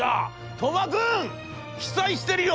鳥羽君期待してるよ』。